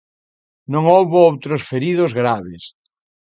Non houbo outros feridos graves.